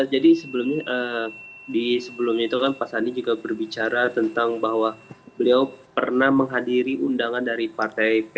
jadi sebelumnya di sebelumnya itu kan pak sandi juga berbicara tentang bahwa beliau pernah menghadiri undangan dari partai p tiga